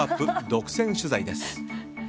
独占取材です。